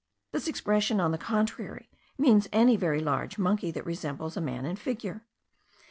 This expression, on the contrary, means any very large monkey, that resembles man in figure.